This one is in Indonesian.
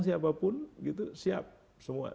siapapun gitu siap semua